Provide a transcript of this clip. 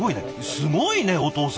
すごいねお父さん！